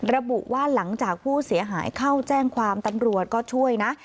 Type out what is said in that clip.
ระบุว่าหลังจากผู้เสียหายเข้าแจ้งความตำรวจก็ช่วยนะ